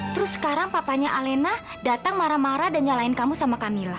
terus sekarang papanya alena datang marah marah dan nyalain kamu sama kamila